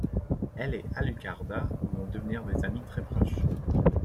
Elle et Alucarda vont devenir des amies très proches.